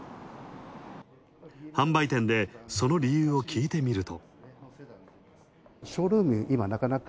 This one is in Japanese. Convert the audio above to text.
販売店で、その理由を聞いてみると。